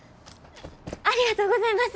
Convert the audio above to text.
ありがとうございます！